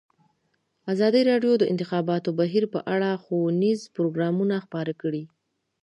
ازادي راډیو د د انتخاباتو بهیر په اړه ښوونیز پروګرامونه خپاره کړي.